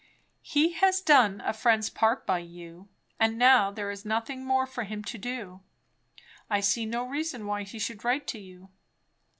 "He has done a friend's part by you; and now there is nothing more for him to do. I see no reason why he should write to you."